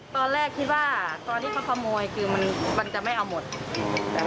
ตอนนี้ตำรวจเข้ามาเขาก็บอกว่าให้เก็บ